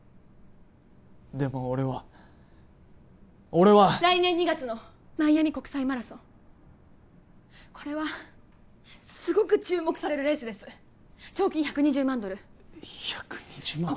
でも俺は俺は来年２月のマイアミ国際マラソンこれはすごく注目されるレースです賞金１２０万ドル１２０万！？